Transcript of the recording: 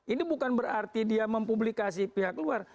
ini bukan berarti dia mempublikasi pihak luar